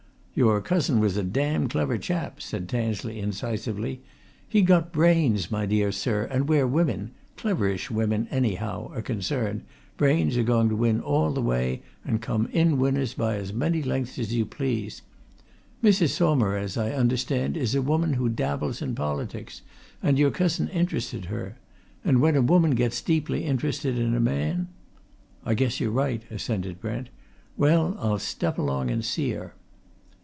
"Your cousin was a damned clever chap!" said Tansley incisively. "He'd got brains, my dear sir, and where women cleverish women, anyhow are concerned, brains are going to win all the way and come in winners by as many lengths as you please! Mrs. Saumarez, I understand, is a woman who dabbles in politics, and your cousin interested her. And when a woman gets deeply interested in a man ?" "I guess you're right," assented Brent. "Well, I'll step along and see her."